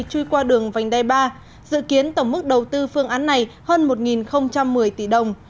truy qua đường vành đai ba dự kiến tổng mức đầu tư phương án này hơn một một mươi tỷ đồng